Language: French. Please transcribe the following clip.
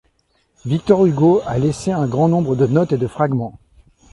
Victor Hugo a laisse un grand nombre de notes et de fragments.